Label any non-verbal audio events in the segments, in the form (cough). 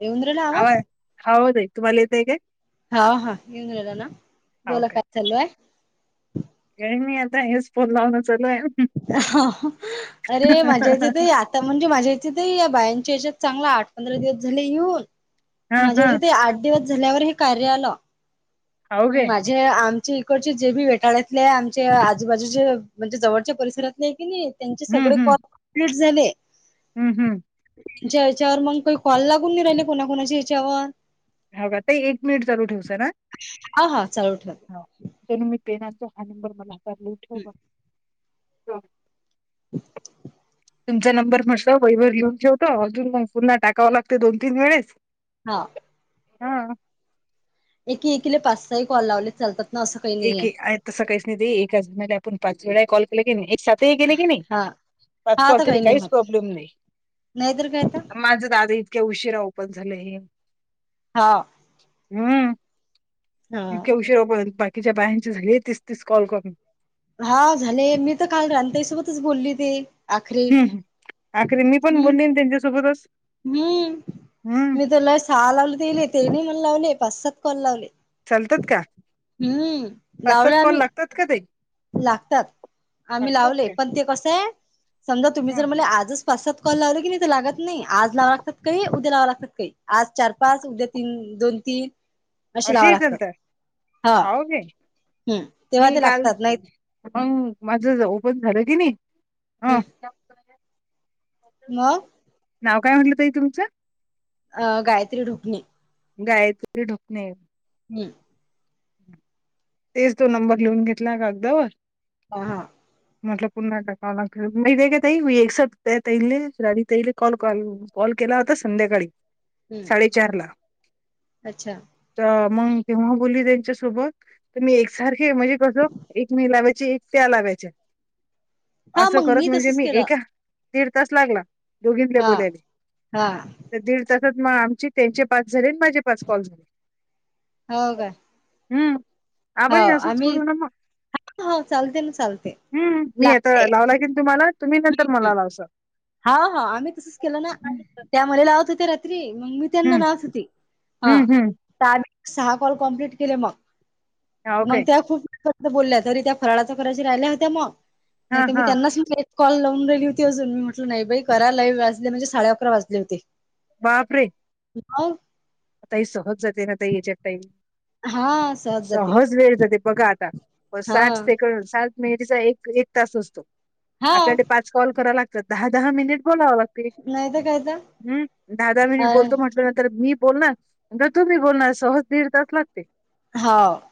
येऊन राहिला आवाज हो ताई होत तुम्हाला येतय काय? हा हा येऊन राहिला ना. हाव बोला काय चालू आहे? काय नाही आता हेच फोन लावणं चालू आहे. अरे माझ्या इथ या. म्हणजे माझ्या इथे या बायांच्या याच्यात चांगला आठ, पंधरा दिवस झाले येऊन. हा हा माझ्याज ते आठ दिवस झाल्यावर हे कार्य आलं. हाव काय जे आमचे इकडचे जे बी वेटाळ्यातले, आमचे आजूबाजूचे म्हणजे जवळच्या परिसरातले आहे की नाही. त्यांचे हम्म सगळे हम्म कम्प्लिट झाले. हम्म. हम्म. तुमच्या ह्याच्यावर मग काही कॉल लागून नाही राहिले कोणाकणाच्या याच्यावर. हवा ते एक मिनिट चालू ठेवा सरा. हा हा चालू ठेवा तर मी पेनाचा हा नंबर मला (unintelligible) ठेवू का? (inaudible) तुमचा नंबर म्हंटलो वईवरर येऊन ठेवतो, अजून मग पुन्हा टाकावं लागते दोन तीन वेळेस. हा. हा हा. एकी एकी ला पाच सहा कॉल लावलेत चालतात. ना असं काही एक नाहीये एक तसं काहीच नाही ते एका आज म आपण पाच वेळा कॉल. की नाही एक साथ गेले की नाही हा पाच हा कॉल तर तरी काही नाही काहीच होत प्रॉब्लेम नाही. नाहीतर काय तर माझं दादा इतक्या उशिरा ओपन झालं हे. हा. हम्म. हा इतक्या उशीरा पर्यंत बाकीच्या बायांची झाली तीस तीस कॉल करून. हा झाले मी तर काल राणी ताईसोबतच बोलली ते. आखरी हम्म आखरी मीपण हम्म बोलली त्यांच्यासोबतच. हम्म, हम्म मी तुला सहा लावले, तेले तेनी मला लावले पाच सात कॉल लावले. चालतात का हम्म, पाच सात लावलं कॉल आम्ही. लागतात का ताई. लागतात, आम्ही लावले. काय पण ते कसंय, समजा तुम्ही जर मले हम्म आजच पाच सात कॉल लावले की नाही ते लागतं नाही. आज लावां लागतात काही, उद्या लाव लागतात काही. आज चार पाच, उद्या तीन दोन ती अशी लावावी लागतात हा. हो काय. हम्म, तेव्हा ते लागतात नाही अं माझ ओपन झालं की नाही अं म नाव काय म्हटलं ताई तुमचं? अ गायत्री ढोकणे. गायत्री ढुकणे. (unintelligible) तेच तो नंबर लिहून घेतला कागदावर. हां हां. म्हटलं पुन्हा एकदा कॉल म का तई म एकसईले रडीत येईले कॉल कळ. कॉल केला होता संध्याकाळी, साडेचारला. अच्छा‌. तर मग केव्हा बोलली त्यांच्यासोबत? तर मी एकसारखे म्हणजे कसं एक मी लावायचे, एक त्या लावायच्या. हा असं मग करत म्हणजे तसच मी केलं एका दीड तास लागला दोघींल्या हा बोल्याले. हा त्या दीड तासात मग आमची त्यांचे पाच झाले आणि माझे पाच कॉल झाले. हो काय. हम्म. हो आपण हे असंच आम्ही करू ना मग (inaudible) चालते ना चालते. हम्म. मी आता लागते लावला की नई तुम्हाला तुम्ही नंतर मला लावशाल. हां हां आम्ही तसंच केलं ना, हम्म त्या मले लावत होते रात्री. मग मी त्यांना लावत होती, हा. हम्म हम्म सहा सहा कॉल कम्प्लीट केले मग. हा मग ओके त्या खूपपर्यंत बोलल्या, तरी त्या फराळाचं करायच्या राहिल्या होत्या मग. हा नाहीतर मी हा त्यांनाच एक कॉल लावून राहिली होती अजून मी म्हट नाही बाई करा लाई वाजले म्हणजे साडे अकरा वाजले होते. बापरे. (unintelligible) आता ही सहज जाते ना ताई याच्यात टाईम? हा जाते सहज वेळ जाते बघा आता. मग हा साठ सेकंड, सात मिनिटचा एक एक तास असतो. हा आपल्याकडे पाच कॉल करावे लागतात, दहा दहा मिनिट बोलावं लाग नाही तर काय तर हम्म, दहा दहा अ मिनिट बोलतो ना म्हटलं ना तर मी बोलणार, नंतर तूबी बोलणार, सहज दीड तास लाग हा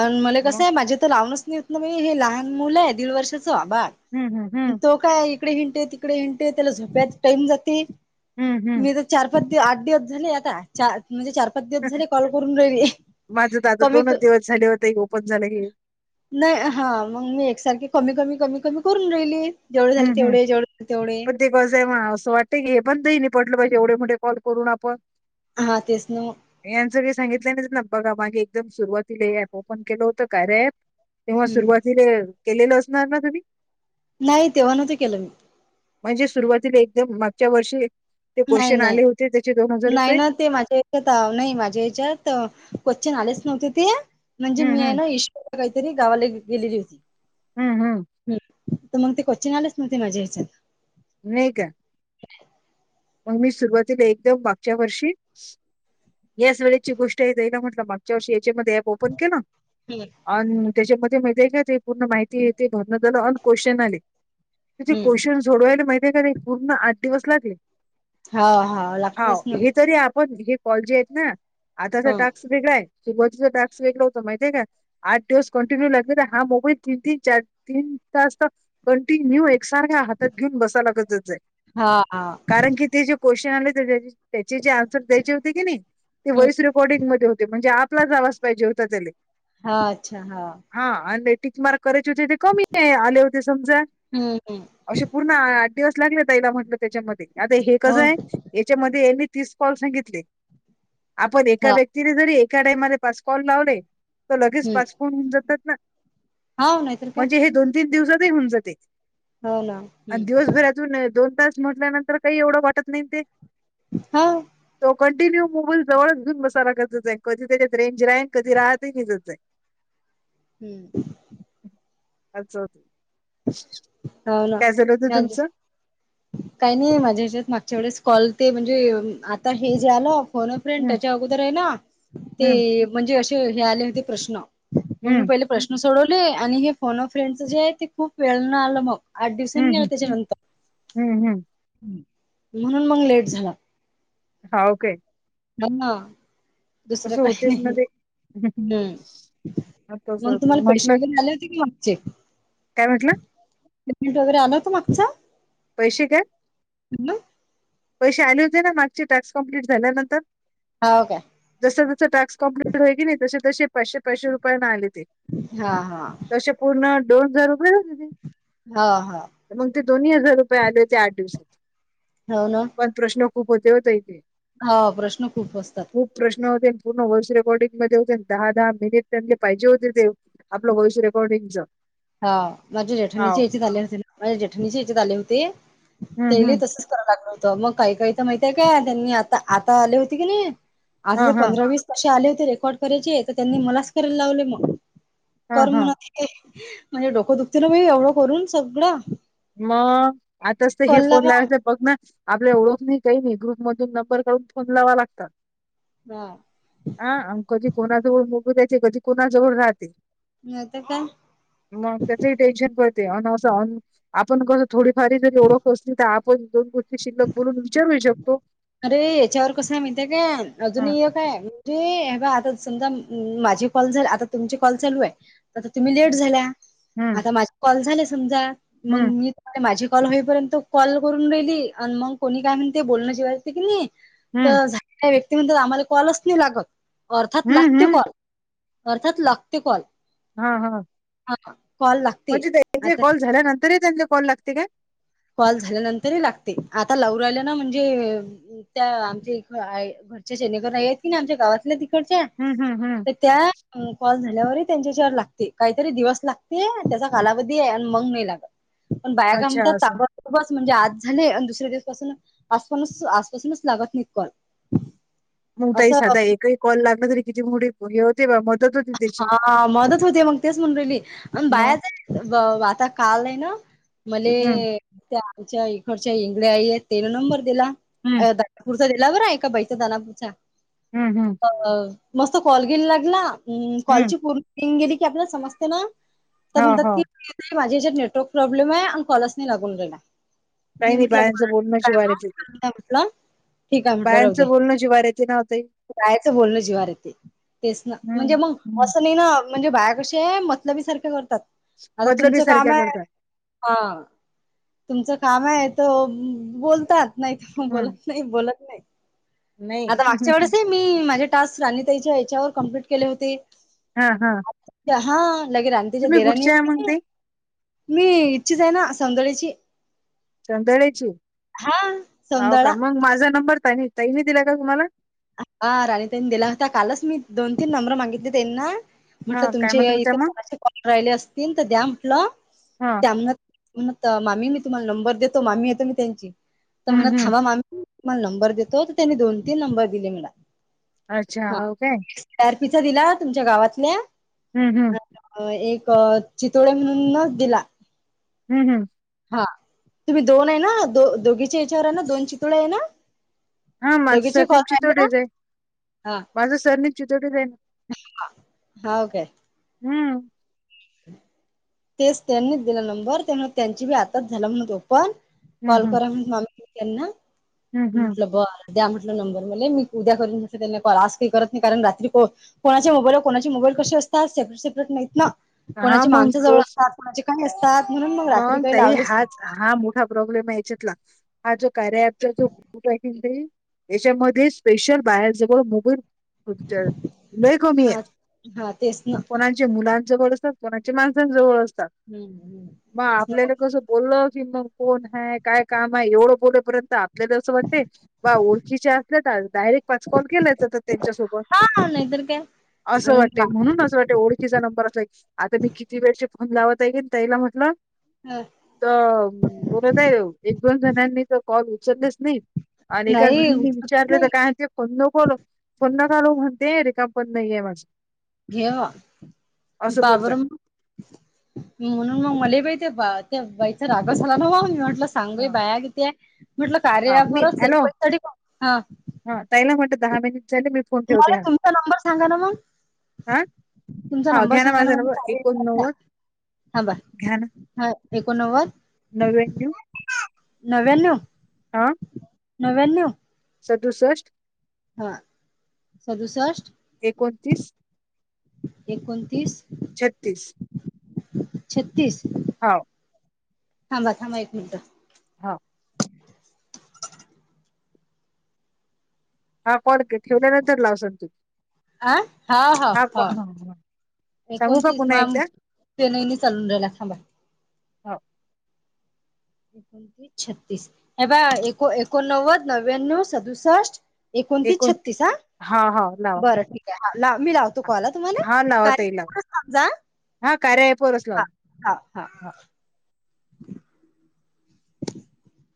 आणि मले कसं आहे माझे तर लावूनच नाहीत ना म हे लहान मुलं आहे दीड वर्षाचं बा हम्म हम्म हम्म. काय इकडे हिंडते, तिकडे हिंडते त्याला झोप्यायचं टाइम जाते. हम्म हम्म. मी तर चार पाच दिवस, आठ दिवस झाले आता. चा म्हणजे चार पाच दिवस झाले, कॉल करून राहिले. माझं तर आता दोनच दिवस झाले होते, ओपन झालं हे. नाही हा मग मी एकसारखे कमी कमी कमी कमी करून राहिले. हम्म हम्म. (unintelligible) (unintelligible) असं वाटतंय की हे (unintelligible) पाहिजे एवढे मोठे कॉल करून आपण. हा तेच, ना मग. यांच काही सांगितलेने ना बघा, मागे एकदम सुरुवातीला ऍप ओपन केलं होतं कार्य अँप. तेव्हा हम्म सुरुवातीले केलेलं असणार ना तुम्ही? नाही तेव्हा नव्हतं, केलं मी म्हणजे सुरुवातीला एकदम मागच्या वर्षी ते नाही क्वेश्चन नाही आले होते, त्याचे दोन हजार नाही रुपये ना ते माझे, ते आता नाही माझ्या याच्यात क्वश्चन आलेच नव्हते ते. म्हणजे हम्म मी आहे हम्म ना ईश काहीतरी गावाला गेलेली होती. हम्म हम्म.. हं.. तर मग ते कोचिंग आलंच नव्हतं, ते माझ्या हेच्यात. नाही का, मग मी सुरुवातीला एकदम मागच्या वर्षी. याच वेळेची गोष्ट आहेेत आहे ना म्हटलं, मागच्या वर्षी याच्यामध्ये ऍप ओपन केलं ‌ अ त्याच्यामध्ये माहि का ते पूर्ण माहिती येते, म्हण झालं क्वेशन आले. तुचे हम्म क्वेशन सोडवायला माहिती का, ते पूर्ण आठ दिवस लागले. हा हा.. हांव, लागतातच ना हे तरी आपण हे कॉलजे आहेत ना, आताचा ह टास. वेगळं आहे सुरूवातीच टास्क, वेगळा होतं माहितेय काय. आठ दिवस कंटिन्यू लागले हा, मोबाईल तीन तीन चार तीन तास तर. कंटिन्यू एकसारख हातात घेऊन, बसायला लागत जाई. हा.. कारण की ते, जे क्वेशन आले. त्याचे जे आन्सर द्यायचे होते की नाही ते, वॉईस रेकॉर्डिंग मध्ये होते. म्हणजे आपलाच आवाज पाहिजे होतं. (unintelligible) हा, अच्छा हा. हा आणि ते टीक मार्क करायचे होते ते कमी आहे आले होते समजा. हम्म हम्म असे पूर्ण आठ दिवस लागले ताईला म्हटलं, तेच्यामध्ये आता हे हो कसं आहे. याच्यामध्ये यांनी तीस कॉल सांगितले, आपण एका हा व्यक्तीने जरी एका टाइमध्ये पाच. कॉल लावले तर लगेच हम्म पाच फोन होऊन जातात, ना हा नाहीतर काय म्हणजे हे दोन. तीन दिवसात होऊन जाते, हो ना आणि हम्म दिवसभरातून दोन तास म्हटल्यानंतर. तर काही एवढं, वाटत नाही ते. हांव. तो कंटिन्यू मोबाईल जवळच घेऊन बसायला लागतं जाई कधी त्याच्यात रेंज रा आहे कधी राहतही नि जच आहे. हम्म.. हो काय झालं होतं ना तुमचं. काही नाही माझ्या हेच्यात मागच्या वेळेस, कॉल ते म्हणजे आता हे जे आलं. फोन अ फ्रेंड हम्म त्याच्या अगोदर आहे ना, हम्म ते म्हणजे असे हे आले होते प्रश्न. मग हम्म मी पहिले प्रश्न सोडवले आणि, हे फोन फ्रेंडच जे आहे ते खूप वेळन आलं मग. आठ हम्म दिवसांनी आले हम्म त्याच्यानंतर. हम्म हम्म. म्हणून मगं, लेट झाला. हा ओके. हा.. दुसरं कसं काही होतेच ना नाही. ते हं, हम्. हं. तसं मग होत तुम्हाला परीशा म्हटलं आले होते की मागचे. काय म्हंटला. (unintelligible) वगैरे आलं होतं मागचं. पैसे काय. (unintelligible) पैसे आले होते ना, मागचे टास्क कंप्लीट झाल्यानंतर. हाव काय? जसं-जसं टाक्स कंप्लीट होय की नाही तशी-तशी पाचशे पाचशे रुपयेन आले ती. हां हां. अशे पूर्ण दोन हजार रुपये होते. हा हा. मंग ते दोन्ही हजार रुपये आले ते आठ दिवशाचा. हाऊ नव. पण प्रश्न खूप होते हो ताई ते. हा प्रश्न खूप असतात. खूप प्रश्न होते पूर्ण व्हॉईस रेकॉर्डिंग मध्ये होते दहा-दहा मिनिट त्यांले पाहिजे होते ते. आपलं वॉइस रेकॉर्डिंगचं. हा माझ्या जेठणीचे इथेच आले होते माझ्या जेठणीचे इथेच आले होते हम्म त्याले हम्म तसच करा लागलं होत मग काही काही तर माहितय का त्यांनी आता आता आले होती की नाही आता हा तर हा पंधरा-वीस कशे आले होते रेकॉर्ड करायचे तर त्यांनी मलाच करायला लावले म हा कर हा म्हणत ते डोकं दुखते ना बाई एवढं करून सगळं म आताच तर हे कॉलला फोन मग लावायच बघ ना. आपल्या ओळख नाही काही नाही ग्रुपमधून नंबर काढून फोन लावावं लागतं. हां. आं आण कधी कोणा जवळ मुकु देयायचे कधी कोणा जवळ राहते. नाही तर काय मग त्याचंही टेन्शन पडते, अन असं अन आपण कोण थोडीफारी जरी ओळख असली, तर आपण दोन गोष्टी शिल्लक बोलून विचारूही शकतो. अरे याच्यावर कसं आहे माहितीय का, हां. अजूनही एक काय म्हणजे हे बघ आता समजा, माझे कॉल जर आता तुमचे कॉल चालू हाय आता तुम्ही लेट झाल्या हं हं आता माझे कॉल झाले समजा हं मंग मी आता माझे कॉल होईपर्यंत कॉल करून राहिली आणि मग कोणी काय म्हणते बोलणं जेव्हा येते की नाही हं तर झा (inaudible) व्यक्ती आम्हाला कॉलच नाही लागत अर्थात हं लागते हं कॉल अर्थात लगते कॉल. हां हां. आता कॉल लागते म्हणजे त्यांचे कॉल झाल्यानंतरही त्यांले कॉल लागते काय? कॉल झाल्यानंतरही लागते आता लावू राहिल्या ना म्हणजे त्या आमच्या इक आय घरच्या सनेगर नाही आहेत की नाय आमच्या गावातल्या तिकडच्या हम्म हम्म हम्म. तर त्या कॉल झाल्यावरही त्यांच्याशी आग लागते काहीतरी दिवस लागते त्याचा कालावधी आहे आणि मंग नाही लागत. पण बाया काय अच्छा म्हणतात असं बस म्हणजे आज झाले आन दुसरे दिवस पासून आजपणच आजपासूनच लागत नी कॉल. मग ताई साधा असं एकही कॉल लागला तरी किती मोठी हे होते मदत होत हा मदत होते मग तेच म्हणून रायली. अन मग बाहेर जाय ब व आता काल आहे ना मले हम्म त्या आमच्या इकडच्या इंगडे आई आहेत त्याने नंबर दिला. (inaudible) हम्म जरील्यावर आहे का बायचा दानापुराचं? हम्म हम्म. अ मस्त कॉल घेयल लागला हम्म. कॉलची पूर्णं रिंग गेली की आपला समजते ना तर हो म्हणतात हो. की माझ्या याच्यात नेटवर्क प्रॉब्लेम आहे आणि कॉलच नाही लागून राहिला. काही मी नाही म्हटलं बायांचं बोलणं जिवावर येते (inaudible) म्हटलं. ठीक आहे म्हटलं राहुदे बायांचं बोलणं जिवावर येते ना ओ ताई. बायचं बोलणं जिवार येते तेच ना. हम्म म्हणजे मग हम्म. असं नाही ना म्हणजे बाया कशी आहे मतलबी सारख्या करतात आता मतलबी तुमचं काम सारख्या आहे करतात. हा तुमचं काम आहे तो बोलतात. नाही तर मग हम्म बोलत नाही बोलत नाही नाही. आता मागच्या वेळेस मी माझे टास्क राणीताईच्या याच्यावर कम्प्लिट केले होते. हा हा. हा लगे राणिताईंच्या तुम्ही दिरांनी कुठच्या हाय आहे मग कनई ताई? मी इथचीच आहे ना सौंदळ्याची. चंदळेची हा हो का? सौंदळा मग माझा नंबर ताई ताईने दिला का तुम्हाला? हा राणीताईने दिला होता. कालच मी दोन तीन नंबर मागितले त्यांना. म्हटलं हा काय तुमचे म्हणत होत्या इथेे मग? कोणाचे कॉल राहिले असतील, तर द्या म्हंटल. हा त्यांना म्हणत मामी मी तुम्हाला नंबर देतो. मामी आहे मी त्यांची, तर म्हणत हम्म हम्म. थांबा मामी मला नंबर देतो तर, त्यांनी दोन तीन नंबर दिले मला. अच्छा, हो काय? त्या अर्पीचा दिला तुमच्या गावातल्या. हम्म हम्म. अ एक चितोडे म्हणूनच दिला. हम् हम्. हा. तुम्ही दोन आहे ना, दो-दोघीच्या याच्यावर आहे ना, दोन चितुळे आहे ना? हा माझं दोघीचे कॉल सरनेम राहिले ना चितोडेच आहे, माझं सरनेम चितोडेच आहे ना. होव काय? हम्म. तेच त्यांनीच दिला नंबर. त्यामुळे त्यांची बी आताच झालात म्हण ओपन. हम्म कॉल हम्म करा म्हणून (unintelligible) त्यांना. हम्म हम्म म्हटलं बरं द्या म्हटलं नंबर मले. मी उद्या करीन म्हटलं त्यांना कॉल. आज काही करत नाही, कारण रात्री को कोणाच्या मोबाईलवर कोणाचे मोबाईल कसे असतात. सेपरेट सेपरेट नाहीत ना. हा कोणाची मग माणसं जवळ तोच असतात. कोणाचे काही असतात म्हणून मग रात्री काही ताई लावलेच नाही. हाच हा मोठा प्रॉब्लेम आहे याच्यातला. हा जो कार्या ॲपचा जो (unintelligible) याच्यामध्ये स्पेशल बाहेर जर (unintelligible) कमी हा आहेत. हा तेच ना कोणाचे मुलांजवळ असतात, कोणाचे माणसांजवळ असतात. हम्म हम्म. मग तेच ना आपल्याला कसं बोललं की, मग कोण हे काय काम आहे एवढं बोलेपर्यंत अँप. तिला देऊसे वाटते. बा ओळखीचे असल्या तर डायरेक्ट पाच कॉल केला जातं त्यांच्यासोबत. हा नाहीतर काय असं आणि वाटतंय म्हणून असं वाटतं ओढ किचा नंबर असला की, आता मी किती वेळचे फोन लावत हाय ताईला म्हटलं तर बोलत आहे. एक दोन जणांनी तर कॉल उचललेच नाही. आणि एका नाही जणीनी उचलत विचारलं तर नाही काय म्हणते (unintelligible) म्हणते रिकामा फोन नाहीये माझा. घेवा पाबर. बोलताय म्हणून मग मलेबाई त्या बा त्या बाईचा रागच झाला ना बा. मी म्हटलं सांगू हा बाया किती आहे? म्हटलं कार्या हा मी हॅलो ॲपवरचं (unintelligible) हा. हा. ताईला म्हंटलं दहा मिनिट झाले मी फोन ठेवते मला तुमचा नंबर सांगा ना मग. आ? तुमचा हा नंबर घ्या ना सांगा माझा मग नंबर कार्य ॲपचा एकोनव्वद थांबा. हा एकोनव्वद, नव्याण्णव नव्याण्णव आ? नव्याण्णव सदुसष्ट हा. सदुसष्ट एकोणतीस एकोणतीस, छत्तीस छत्तीस हाव. थांबा थांबा एक मिनटं. हो. हा कॉल ठेवल्यानंतर लावसान तु. आ हा हा हा (unintelligible) सांगू का पुन्हा एकदा? पेन ही नाही चालून रायला थांबा. छत्तीस, हे बघ एको एकोनव्वद नव्व्यान्नव सदूसष्ट एकोणतीस छत्तीस हां, आ हा हा लावा बरं ठीक हाय. हा लाव मी लावतो कॉल हां? हा लावा ताई लाव, हा कार्या ॲपवरच लावा. हां हां. (inaudible)